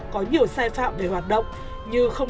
có nhiều sai phạm về hoạt động